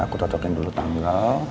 aku totokin dulu tanggal